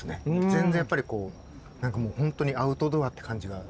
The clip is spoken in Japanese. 全然やっぱりこう何かもうほんとにアウトドアって感じが。